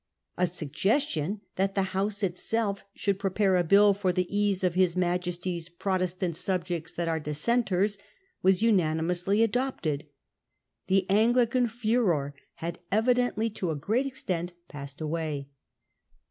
A suggestion Dissenters. t jj at t h e House itself should prepare a bill 'for the ease of His Majesty's Protestant subjects that are Dissenters' was unanimously adopted. The Anglican furor had evidently to a great extent passed away.